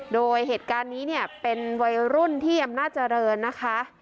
โดยเหตุการณ์นี้เนี่ยเป็นวัยรุ่นที่อำนาจเจริญนะคะ